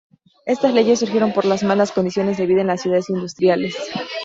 Estas leyes surgieron por las malas condiciones de vida en las ciudades industriales.